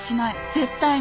絶対に。